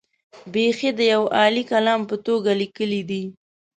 بېخي د یوه عالي کالم په توګه لیکلي دي.